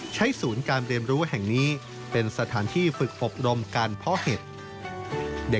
ศูนย์การเรียนรู้แห่งนี้เป็นสถานที่ฝึกอบรมการเพาะเห็ด